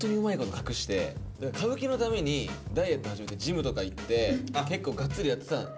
「歌舞伎」のためにダイエット始めてジムとか行って結構がっつりやってたんで。